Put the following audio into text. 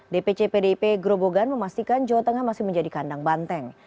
dpc pdip grobogan memastikan jawa tengah masih menjadi kandang banteng